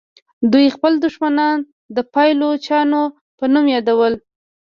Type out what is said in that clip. دوی خپل دښمنان د پایلوچانو په نوم یادول.